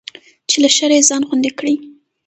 چې له شره يې ځان خوندي کړي.